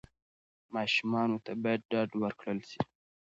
ماشومانو ته باید ډاډ ورکړل سي.